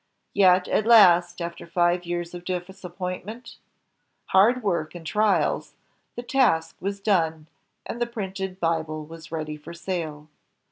Yet at last, after five years of disappointment, hard work, and trials, the task was done, and the printed Bible was ready for sale.